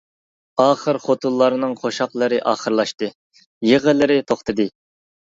ئاخىر خوتۇنلارنىڭ قوشاقلىرى ئاخىرلاشتى، يىغىلىرى توختىدى.